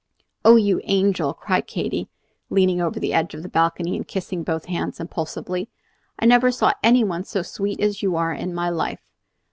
"Oh, you angel!" cried Katy, leaning over the edge of the balcony and kissing both hands impulsively, "I never saw any one so sweet as you are in my life.